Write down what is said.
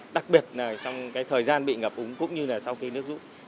đặc biệt là trong thời gian bị ngập úng cũng như sau khi nước đũ